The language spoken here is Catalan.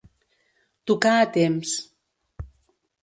Tocar a temps.